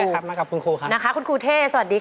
ครับมากับคุณครูครับนะคะคุณครูเท่สวัสดีค่ะ